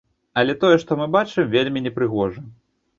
Але тое, што мы бачым, вельмі непрыгожа.